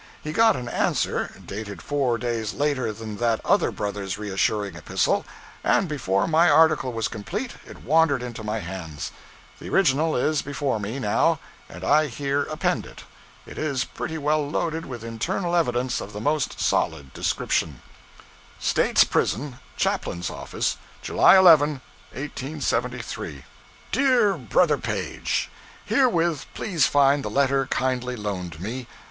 He got an answer, dated four days later than that other Brother's reassuring epistle; and before my article was complete, it wandered into my hands. The original is before me, now, and I here append it. It is pretty well loaded with internal evidence of the most solid description STATE'S PRISON, CHAPLAIN'S OFFICE, July 11, 1873. Dear Bro. Page, Herewith please find the letter kindly loaned me.